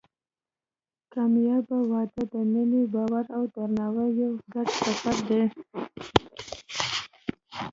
کامیابه واده د مینې، باور او درناوي یو ګډ سفر دی.